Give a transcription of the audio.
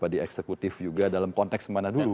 di eksekutif juga dalam konteks mana dulu